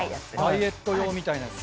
ダイエット用みたいなやつ。